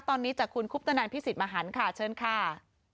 ตอนนี้จากคุณคุปตนันพิสิทธิมหันค่ะเชิญค่ะ